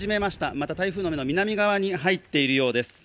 また台風の目の南側に入っているようです。